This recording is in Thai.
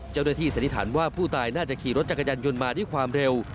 เจ้าหน้าที่สัญลิธรรมว่าผู้ตายน่าจะขี่รถจักรยานยนต์มาด้วยความเร็ว